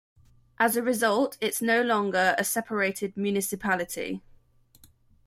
As a result, it is no longer a separated municipality.